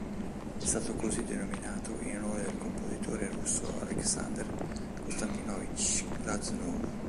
È stato così denominato in onore del compositore russo Aleksandr Konstantinovič Glazunov.